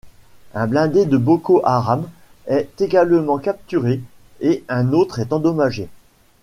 Un blindé de Boko Haram est également capturé et un autre est endommagé.